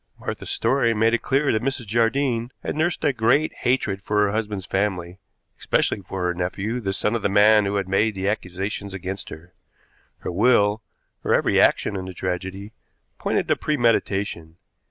Martha's story made it clear that Mrs. Jardine had nursed a great hatred for her husband's family, especially for her nephew, the son of the man who had made the accusations against her. Her will, her every action in the tragedy, pointed to premeditation.